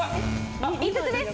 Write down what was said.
５つです。